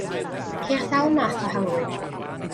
Ceir sawl math o halwyn.